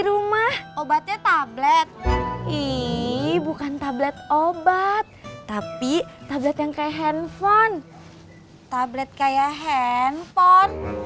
rumah obatnya tablet ini bukan tablet obat tapi tablet yang kayak handphone tablet kayak handphone